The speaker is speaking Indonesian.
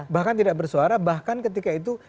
bahkan tidak bersuara bahkan ketika itu